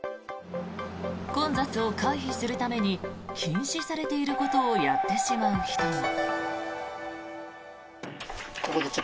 混雑を回避するために禁止されていることをやってしまう人も。